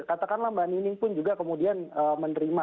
katakanlah mbak nining pun juga kemudian menerima